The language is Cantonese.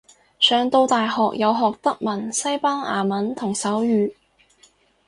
上到大學有學德文西班牙文同手語